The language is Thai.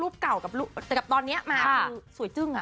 รูปเก่ากับตอนนี้มาคือสวยจึ้ง